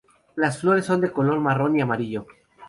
Las flores son de color marrón y amarillo.